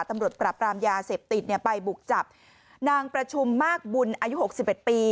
ตำรวจปรับรามยาเสพติดเนี่ยไปบุกจับนางประชุมมากบุญอายุ๖๑ปี